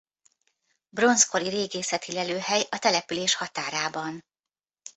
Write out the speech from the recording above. Bronzkori régészeti lelőhely a település határában.